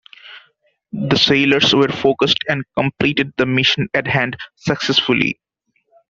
The sailors were focused and completed the mission at hand successfully.